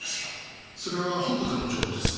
それは本部からの情報です。